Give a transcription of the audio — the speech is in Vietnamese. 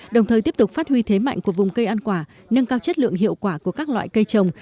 đồng thời tiếp tục phát huy thế mạnh của vùng cây ăn quả nâng cao chất lượng hiệu quả của các loại cây trồng